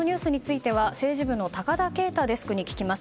では、このニュースについては政治部の高田圭太デスクに聞きます。